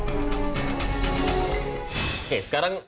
ya itu sudah terjadi